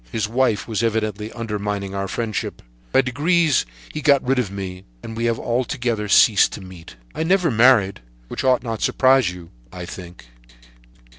His wife was evidently undermining our friendship. By degrees he got rid of me, and we have altogether ceased to meet. "I never married, which ought not to surprise you, I think."